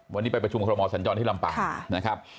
วันนี้ไปประชุมกับพมสัญจรที่ลำปากค่ะ